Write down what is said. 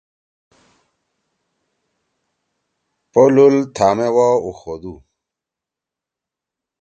پلُول تھامے وا اُخودُو۔